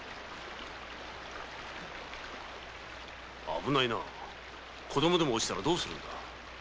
危ないなぁ子供でも落ちたらどうするんだ。